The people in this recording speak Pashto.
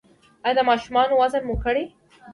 ایا د ماشومانو وزن مو کړی؟